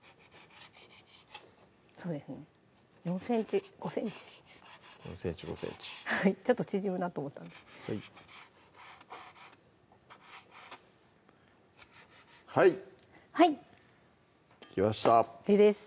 そうですね４ｃｍ・５ｃｍ４ｃｍ・５ｃｍちょっと縮むなと思ったんではいはいできましたＯＫです